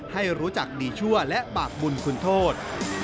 ให้รู้จักดีชั่วและบาปบุญคุณโทษ